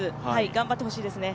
頑張ってほしいですね。